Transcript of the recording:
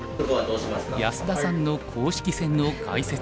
安田さんの公式戦の解説